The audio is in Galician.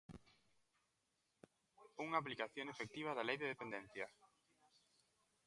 Unha "aplicación efectiva da Lei de Dependencia".